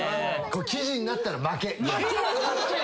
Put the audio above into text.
記事になったら負け。